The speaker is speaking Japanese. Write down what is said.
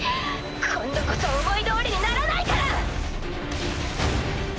今度こそ思いどおりにならないから！